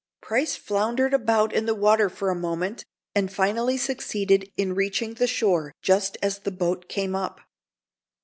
Price floundered about in the water for a moment, and finally succeeded in reaching the shore just as the boat came up.